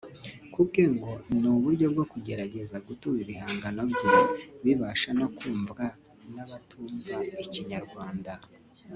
Kubwe ngo ni uburyo bwo kugerageza gutuma ibihangano bye bibasha no kumvwa n’abatumva ikinyarwanda